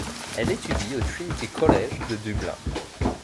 Elle étudie au Trinity College de Dublin.